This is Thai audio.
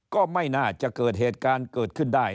ก็ไม่น่าจะเกิดเหตุการณ์เกิดขึ้นได้